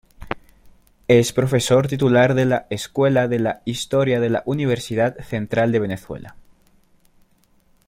Es Profesor Titular de la Escuela de Historia de la Universidad Central de Venezuela.